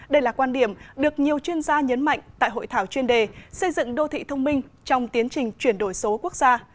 đây là quan điểm được nhiều chuyên gia nhấn mạnh tại hội thảo chuyên đề xây dựng đô thị thông minh trong tiến trình chuyển đổi số quốc gia